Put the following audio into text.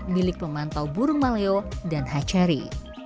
milik pemantau burung maleo dan hatchery